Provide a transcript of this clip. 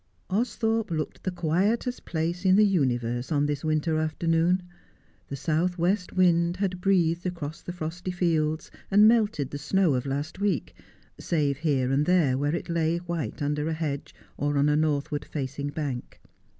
Austhorpe looked the quietest place in the universe on this winter afternoon. The south west wind had breathed across the frosty fields, and melted the snow of last week, save here and there where it lay white under a hedge, or on a northward facing bank.